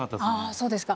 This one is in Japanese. そうですか。